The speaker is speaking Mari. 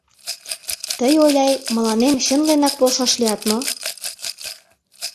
Тый, Оляй, мыланем чынленак полшаш лият мо?